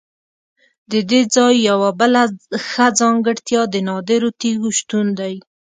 ددې ځای یوه بله ښه ځانګړتیا د نادرو تیږو شتون دی.